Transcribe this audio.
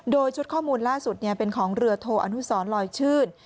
โดยชุดข้อมูลล่าสุดเป็นของเรือโทอนุสรลอยชื่น